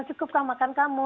cukupkah makan kamu